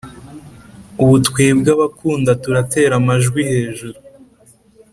ubu twebwe abagukunda turatera amajwi hejuru ,